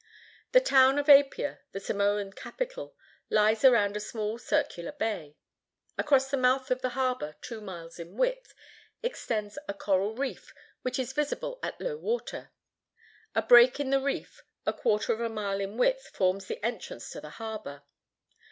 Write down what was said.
The town of Apia, the Samoan capital, lies around a small circular bay. Across the mouth of the harbor, two miles in width, extends a coral reef, which is visible at low water. A break in the reef a quarter of a mile in width forms the entrance to the harbor.